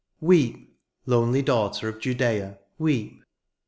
Weep, lonely daughter of Judea, weep.